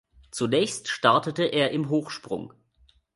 Zunächst startete er im Hochsprung.